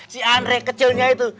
si andre kecilnya itu